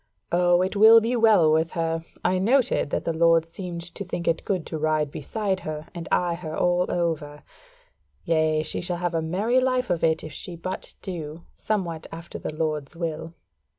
O, it will be well with her: I noted that the Lord seemed to think it good to ride beside her, and eye her all over. Yea, she shall have a merry life of it if she but do somewhat after the Lord's will."